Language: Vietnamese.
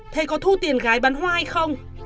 thầy có thu tiền gái bán hoa hay không